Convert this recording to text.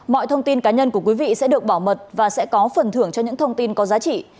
mọi thông tin cá nhân của quý vị sẽ được bảo mật và sẽ có phần thưởng cho những thông tin có giá trị